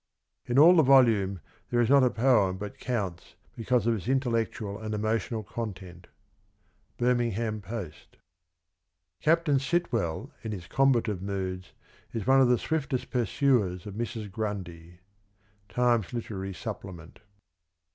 " In all the volume there is not a poem but counts because of its intellectual and emotional content." — Birmingham Post. " Captain Sitwell in his combative moods is one of the swiftest pursuers of Mrs. Grandy." — Times Literary Supplement.